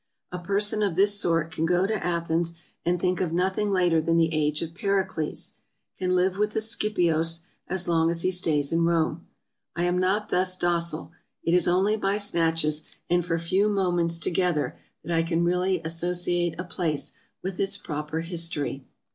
A person of this sort can go to ASIA 323 Athens and think of nothing later than the age of Pericles — can live with the Scipios as long as he stays in Rome. I am not thus docile; it is only by snatches, and for few moments together, that I can really associate a place with its proper history.